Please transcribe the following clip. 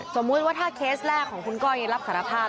สมมุติว่าถ้าเคสแรกของคุณก้อยรับสารภาพ